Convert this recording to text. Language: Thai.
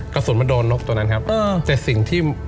กระสุนมาโดนนกตัวนั้นครับแต่สิ่งที่